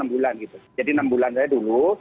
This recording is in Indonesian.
enam bulan gitu jadi enam bulan saya dulu